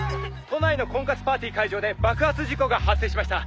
「都内の婚活パーティー会場で爆発事故が発生しました」